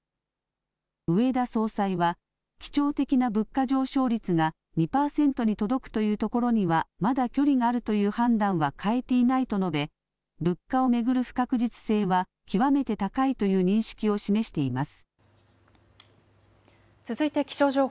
植田総裁は基調的な物価上昇率が２％に届くというところにはまだ距離があるという判断は変えていないと述べ物価を巡る不確実性は極めて高いという認識を示しています。